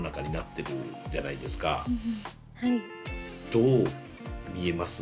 どう見えます？